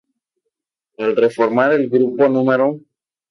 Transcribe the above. Al reformar el Grupo No.